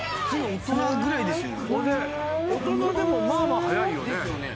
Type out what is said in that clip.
大人でもまあまあ速いよね。